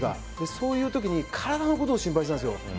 そういう時に体のことを心配したんですよ。